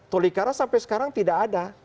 tolikara sampai sekarang tidak ada